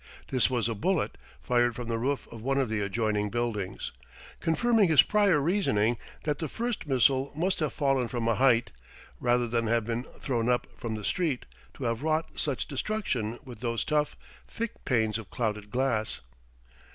This was a bullet fired from the roof of one of the adjoining buildings: confirming his prior reasoning that the first missile must have fallen from a height, rather than have been thrown up from the street, to have wrought such destruction with those tough, thick panes of clouded glass....